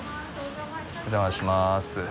お邪魔します。